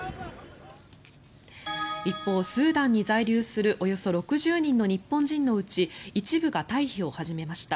一方、スーダンに在留するおよそ６０人の日本人のうち一部が退避を始めました。